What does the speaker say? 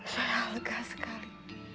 saya lega sekali